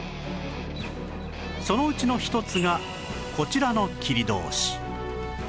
そのうちの一つがこちらの切通